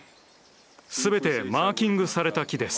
すべてマーキングされた木です。